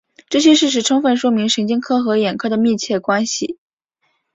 这些事实充分说明神经科和眼科的密切关系。